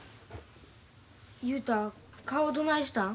雄太顔どないしたん？